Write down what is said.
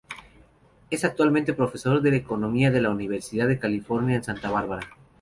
Es actualmente profesor de la economía en la Universidad de California en Santa Bárbara.